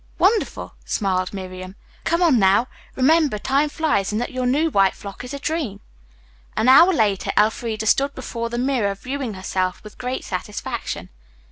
"Wonderful," smiled Miriam. "Come on now. Remember, time flies and that your new white frock is a dream." An hour later Elfreda stood before the mirror viewing herself with great satisfaction.